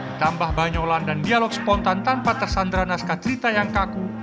ditambah banyak olahan dan dialog spontan tanpa tersandaran naskah cerita yang kaku